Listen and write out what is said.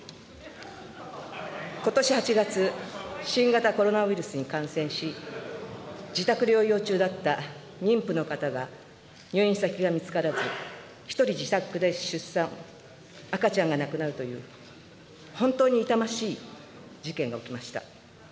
ことし８月、新型コロナウイルスに感染し、自宅療養中だった妊婦の方が入院先が見つからず、一人自宅で出産、赤ちゃんが亡くなるという、本当に痛ましい事件が起きました。